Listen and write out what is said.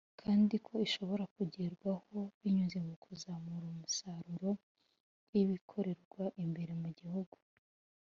kandi ko ishobora kugerwaho binyuze mu kuzamura umusaruro w’ibikorerwa imbere mu gihugu